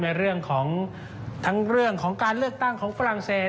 ในเรื่องของทั้งเรื่องของการเลือกตั้งของฝรั่งเศส